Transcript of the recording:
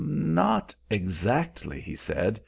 "Not exactly," he said.